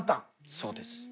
そうです。